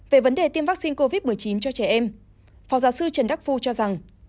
về vấn đề tiêm vaccine covid một mươi chín cho trẻ em phó giáo sư trần đắc phu cho rằng